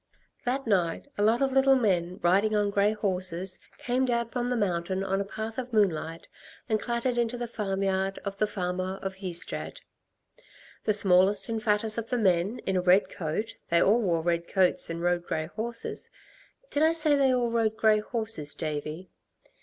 "That night a lot of little men, riding on grey horses, came down from the mountain on a path of moonlight and clattered into the farmyard of the farmer of Ystrad. The smallest and fattest of the men, in a red coat ... they all wore red coats, and rode grey horses. Did I say that they all rode grey horses, Davey?"